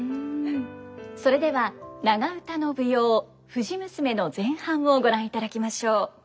それでは長唄の舞踊「藤娘」の前半をご覧いただきましょう。